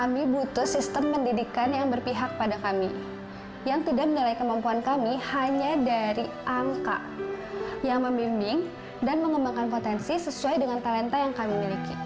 kami butuh sistem pendidikan yang berpihak pada kami yang tidak menilai kemampuan kami hanya dari angka yang membimbing dan mengembangkan potensi sesuai dengan talenta yang kami miliki